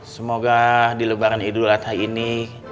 semoga di lebaran hidul atai ini